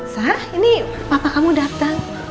sarah ini papa kamu datang